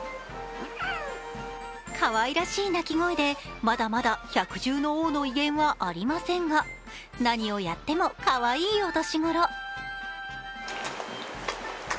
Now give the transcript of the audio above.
かわいらしい鳴き声で、まだまだ百獣の王の威厳はありませんが何をやってもかわいいお年頃。